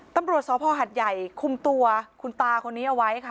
ตำรวจสภหัดใหญ่คุมตัวคุณตาคนนี้เอาไว้ค่ะ